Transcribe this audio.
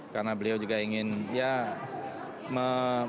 karena beliau juga ingin berubah